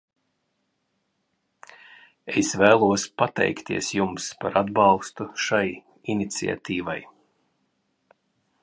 Es vēlos pateikties jums par atbalstu šai iniciatīvai.